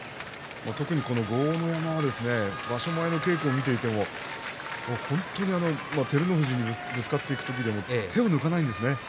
特にこの豪ノ山は場所前の稽古を見ていても本当に照ノ富士にぶつかっていく時でも手を抜かないんですね。